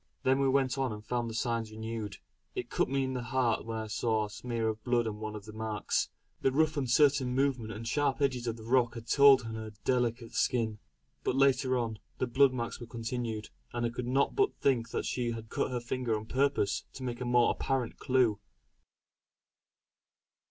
Then we went on and found the signs renewed. It cut me to the heart when I saw a smear of blood on one of the marks; the rough uncertain movement and the sharp edges of the rock had told on her delicate skin. But later on, the blood marks were continued, and I could not but think that she had cut her fingers on purpose to make a more apparent clue.